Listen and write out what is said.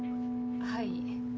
はい。